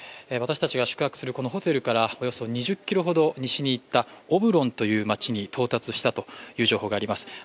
私たちが宿泊するこのホテルからおよそ２０ｋｍほど行ったオブロンという街に到達したということです。